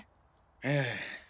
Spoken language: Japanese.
ええ。